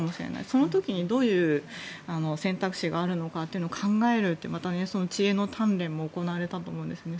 その時にどういう選択肢があるのかというのを考えるってまたその知恵の鍛錬も行われたと思うんですね。